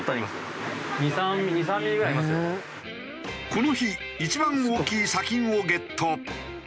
この日一番大きい砂金をゲット。